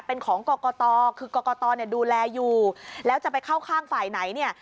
เป็นของกรกตคือกรกตเนี่ยดูแลอยู่แล้วจะไปเข้าข้างฝ่ายไหนเนี่ย